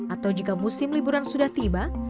atau jika musim liburan sudah tiba